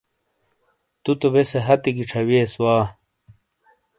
تو تو بیسے ہتھی گی چھاوئیس وا۔